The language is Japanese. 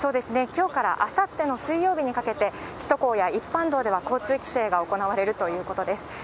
きょうからあさっての水曜日にかけて、首都高や一般道では交通規制が行われるということです。